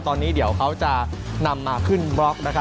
ตอนนี้เดี๋ยวเขาจะนำมาขึ้นบล็อกนะครับ